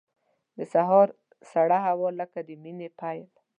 د سهار سړه هوا لکه د مینې پیل.